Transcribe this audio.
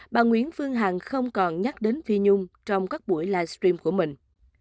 bà nguyễn phương hằng không còn nhắc đến phi nhung trong các buổi livestream của mình